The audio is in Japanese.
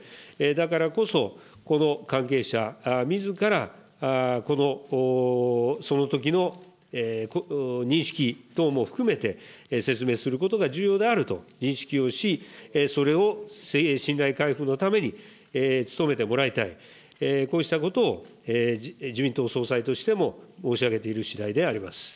だからこそ、この関係者みずから、そのときの認識等も含めて、説明することが重要であると認識をし、それを信頼回復のために、努めてもらいたい、こうしたことを自民党総裁としても申し上げているしだいでありま